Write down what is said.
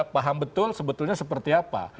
paham betul sebetulnya seperti apa